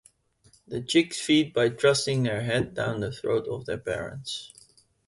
The chicks feed by thrusting their heads down the throat of their parents.